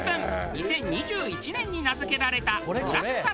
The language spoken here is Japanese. ２０２１年に名付けられた裏草津。